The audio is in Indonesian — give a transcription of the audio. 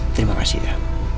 terima kasih ya